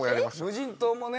無人島もね。